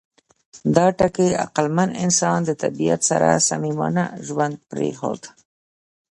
دا ټکي عقلمن انسان د طبیعت سره صمیمانه ژوند پرېښود.